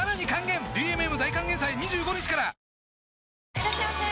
いらっしゃいませ！